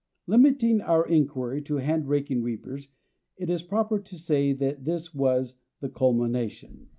Limiting our inquiry to hand raking reapers it is proper to say that this was the culmination.